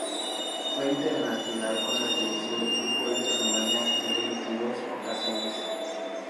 Fue internacional con la Selección de fútbol de Rumania en veinte y dos ocasiones.